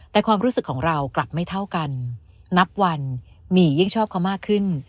แต่ความรู้สึกของเรากลับไม่เท่ากันนับวันหมี่ยิ่งชอบเขามากขึ้น